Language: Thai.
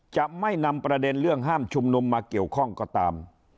จะไม่นำประเด็นเรื่องห้ามชุมนุมมาเกี่ยวข้องก็ตาม